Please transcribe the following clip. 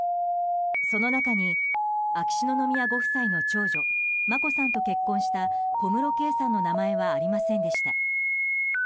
その中に秋篠宮ご夫妻の長女・眞子さんと結婚した小室圭さんの名前はありませんでした。